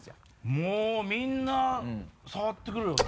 もうみんな触ってくるよね。